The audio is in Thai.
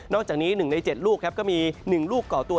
จากนี้๑ใน๗ลูกครับก็มี๑ลูกก่อตัว